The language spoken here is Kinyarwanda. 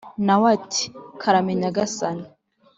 Na we ati “Karame, Nyagasani.”